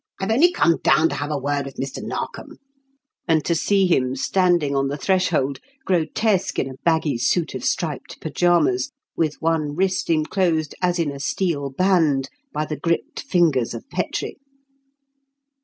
I've only come down to have a word with Mr. Narkom," and to see him standing on the threshold, grotesque in a baggy suit of striped pyjamas, with one wrist enclosed as in a steel band by the gripped fingers of Petrie.